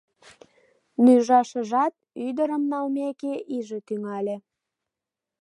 Нӱжашыжат ӱдырым налмеке иже тӱҥале.